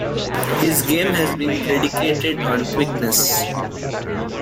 His game had been predicated on quickness.